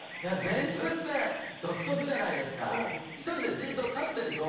前室って独特じゃないですか。